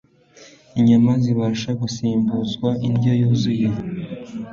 Inyama zibasha gusimbuzwa indyo yuzuye